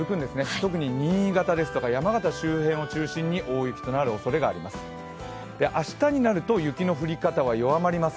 特に新潟ですとか山形周辺を中心に大雪となるおそれがあります。